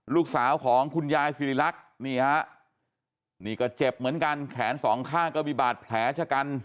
ลูกสาวของคุณยายสิริรักษ์นี่ฮะนี่ก็เจ็บเหมือนกันแขนสองข้างก็มีบาดแผลชะกัน